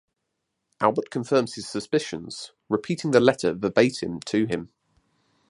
Albert confirms his suspicions, repeating the letter verbatim to him.